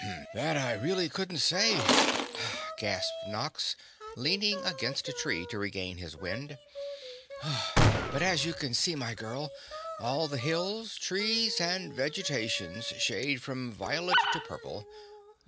"That, I really couldn't say," gasped Nox, leaning against a tree to regain his wind, "but as you can see, my girl, all the hills, trees and vegetation shade from violet to purple.